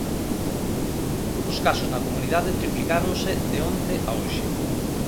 Os casos na comunidade triplicáronse de onte a hoxe.